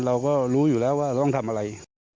เราก็รู้อยู่แล้วว่าเราต้องทำอะไร